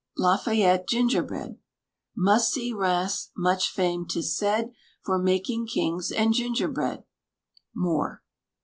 LAFAYETTE GINGERBREAD. Must see Rheims, much famed, 'tis said, For making kings and gingerbread. MOORE.